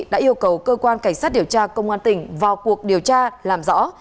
đã yêu cầu cơ quan cảnh sát điều tra công an tỉnh vào cuộc điều tra làm rõ